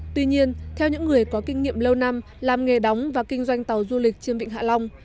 tuy nhiên theo những người có kinh nghiệm lâu năm làm nghề đóng và kinh doanh tàu du lịch trên vịnh hạ long